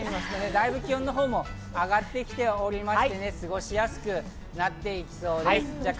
気温を見てみますと、気温も大分上がってきておりまして、過ごしやすくなっていきそうです。